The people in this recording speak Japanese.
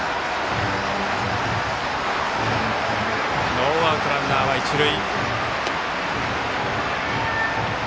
ノーアウト、ランナーは一塁。